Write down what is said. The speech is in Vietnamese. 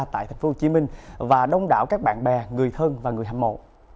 tại tp hcm và đông đảo các bạn bè người thân và người hâm mộ